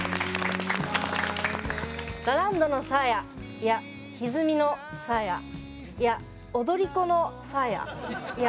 ラランドのサーヤいやひずみのサーヤいや踊り子のサーヤいや